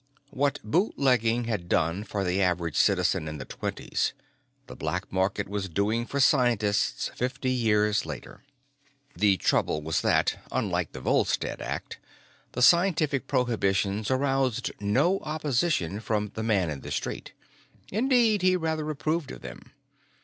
What bootlegging had done for the average citizen in the Twenties, the black market was doing for scientists fifty years later. The trouble was that, unlike the Volstead Act, the scientific prohibitions aroused no opposition from the man in the street. Indeed, he rather approved of them.